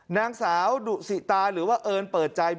นางสาวดุสิตาหรือว่าเอิญเปิดใจ